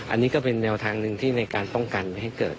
อันนี้ก็เป็นแนวทางหนึ่งที่ในการป้องกันไม่ให้เกิด